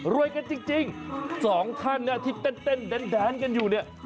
กันจริงสองท่านที่เต้นแดนกันอยู่เนี่ย